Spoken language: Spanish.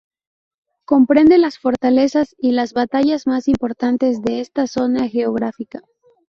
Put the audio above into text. Comprende las fortalezas y las batallas más importantes de esta zona geográfica.